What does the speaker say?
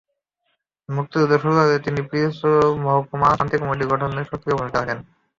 মুক্তিযুদ্ধ শুরু হলে তিনি পিরোজপুরে মহকুমা শান্তি কমিটি গঠনে সক্রিয় ভূমিকা রাখেন।